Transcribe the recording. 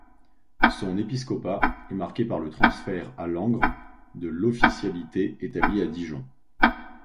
Son épiscopat est marqué par le transfert à Langres de l'officialité établie à Dijon.